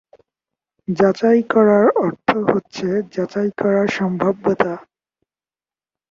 যাচাই করার অর্থ হচ্ছে যাচাই করার সম্ভাব্যতা।